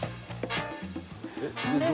えっ？